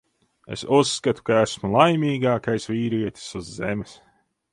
Es uzskatu, ka esmu laimīgākais vīrietis uz Zemes.